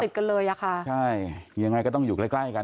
มันก็เลยกลายเป็นว่าเหมือนกับยกพวกมาตีกัน